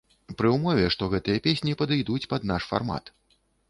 Пры ўмове, што гэтыя песні падыйдуць пад наш фармат.